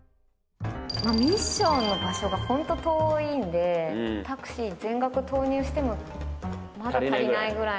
ミッションの場所がホント遠いんでタクシー全額投入してもまだ足りないくらい。